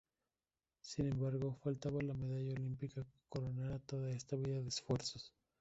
Sin embargo, faltaba la medalla olímpica que coronara toda esta vida de esfuerzos.